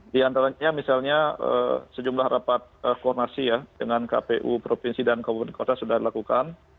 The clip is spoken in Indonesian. di antaranya misalnya sejumlah rapat koordinasi ya dengan kpu provinsi dan kabupaten kota sudah dilakukan